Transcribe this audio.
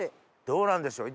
どうなんでしょう？